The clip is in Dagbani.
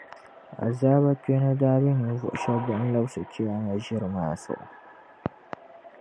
Azaaba kpeeni daa be ninvuɣu shɛba ban labsi Chiyaama ʒiri maa zuɣu.